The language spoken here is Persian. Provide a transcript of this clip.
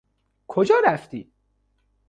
کجا رفتی؟